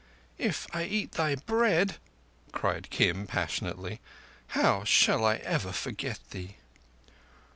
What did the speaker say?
"If I eat thy bread," cried Kim passionately, "how shall I ever forget thee?"